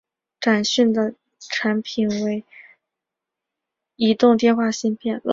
展讯的产品为移动电话芯片。